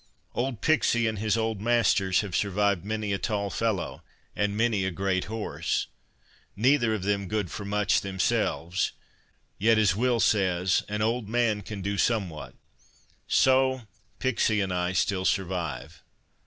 Old Pixie and his old master have survived many a tall fellow, and many a great horse—neither of them good for much themselves. Yet, as Will says, an old man can do somewhat. So Pixie and I still survive."